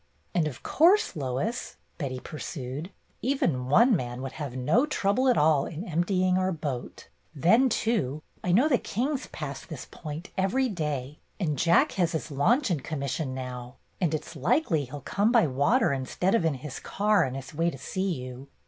"And of course, Lois," Betty pursued, "even one man would have no trouble at all in emptying our boat. Then, too, I know the Kings pass this point every day. And Jack has his launch in commission now, and it 's likely he 'll come by water instead of in his car on his way to see you.